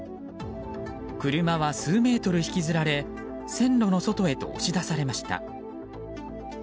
車は数メートル引きずられ線路の外へと押し出されました。